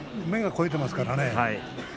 目が肥えていますからね。